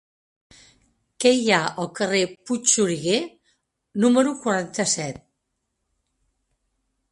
Què hi ha al carrer de Puigxuriguer número quaranta-set?